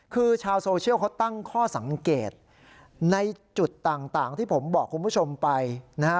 คือชาวโซเชียลเขาตั้งข้อสังเกตในจุดต่างที่ผมบอกคุณผู้ชมไปนะฮะ